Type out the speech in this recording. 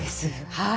はい。